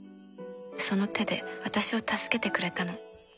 その手で私を助けてくれたの。